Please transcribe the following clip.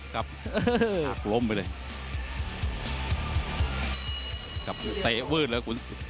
ครับล้มไปเลย